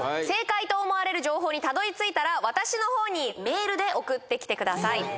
正解と思われる情報にたどり着いたら私のほうにメールで送ってきてください